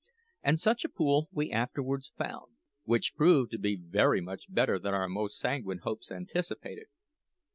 And such a pool we afterwards found, which proved to be very much better than our most sanguine hopes anticipated.